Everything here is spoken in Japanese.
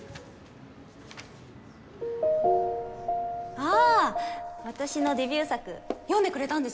ああ私のデビュー作読んでくれたんですか？